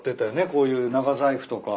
こういう長財布とか。